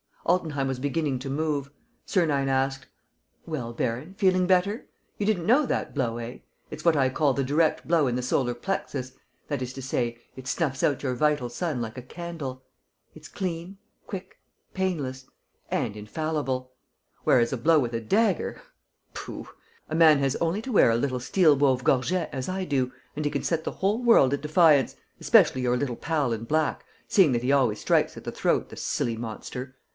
Altenheim was beginning to move. Sernine asked: "Well, baron, feeling better? You didn't know that blow, eh? It's what I call the direct blow in the solar plexus; that is to say, it snuffs out your vital sun like a candle. It's clean, quick, painless ... and infallible. Whereas a blow with a dagger ...? Pooh! A man has only to wear a little steel wove gorget, as I do, and he can set the whole world at defiance, especially your little pal in black, seeing that he always strikes at the throat, the silly monster!